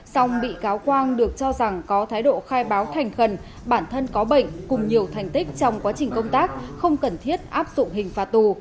xong bị cáo quang được cho rằng có thái độ khai báo thành khẩn bản thân có bệnh cùng nhiều thành tích trong quá trình công tác không cần thiết áp dụng hình phạt tù